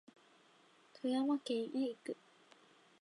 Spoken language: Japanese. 富山県へ行く